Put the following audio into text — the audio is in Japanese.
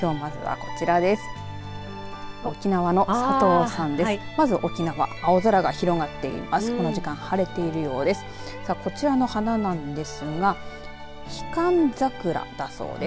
こちらの花なんですがヒカンザクラだそうです。